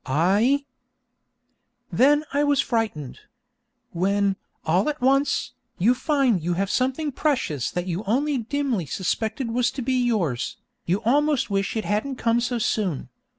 I ' Then I was frightened. When, all at once, you find you have something precious that you only dimly suspected was to be yours, you almost wish it hadn't come so soon.